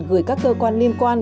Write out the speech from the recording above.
gửi các cơ quan liên quan